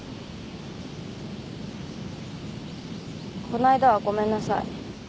この間はごめんなさい。